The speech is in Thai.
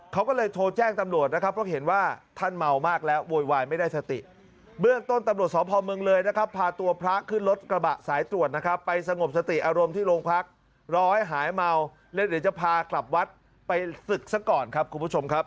เขาก็เลยโทรแจ้งตำรวจนะครับเพราะเห็นว่า